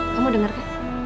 kamu denger kan